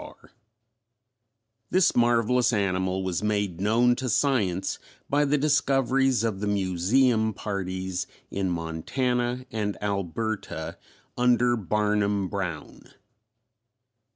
After Brown] This marvellous animal was made known to science by the discoveries of the Museum parties in Montana and Alberta under Barnum Brown.